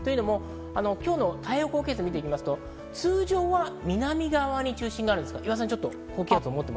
今日の太平洋高気圧を見てみますと、通常は南側に中心があるんです。